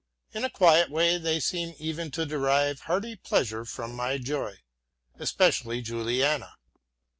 In a quiet way they seem even to derive hearty pleasure from my joy. Especially Juliana.